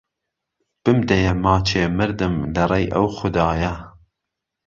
بمدهیه ماچێ، مردم، له رێی ئهو خودایه